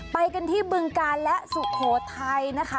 ไปกันที่บึงกาลและสุโขทัยนะคะ